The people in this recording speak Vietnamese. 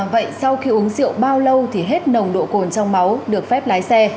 vậy sau khi uống rượu bao lâu thì hết nồng độ cồn trong máu được phép lái xe